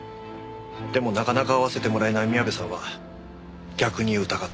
でもなかなか会わせてもらえない宮部さんは逆に疑った。